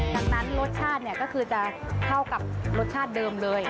ดังนั้นรสชาติก็คือจะเข้ากับรสชาติเดิมเลย